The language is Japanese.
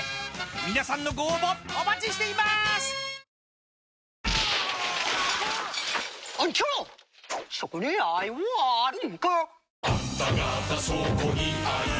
［皆さんのご応募お待ちしていまーす！］・久しぶり！